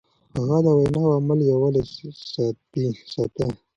هغه د وينا او عمل يووالی ساته.